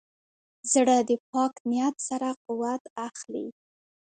زړه د پاک نیت سره قوت اخلي.